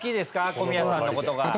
小宮さんの事が。